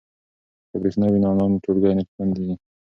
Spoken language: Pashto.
که برېښنا وي نو آنلاین ټولګی نه بندیږي.